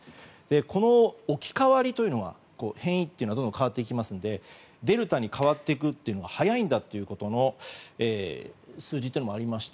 この置き換わりというのは変異というのはどんどん変わるのでデルタに換わっていくというのが早いんだということの数字もありまして